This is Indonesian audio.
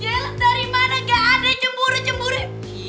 jealous dari mana gak ada cemburu cemburu